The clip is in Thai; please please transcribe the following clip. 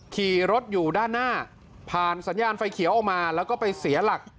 ขี่รถอยู่ด้านหน้าผ่านสัญญาณไฟเขียวออกมาแล้วก็ไปเสียหลัก